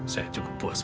saya cukup puas pak